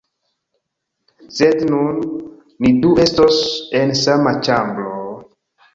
Sed nun, ni du estos en sama ĉambro...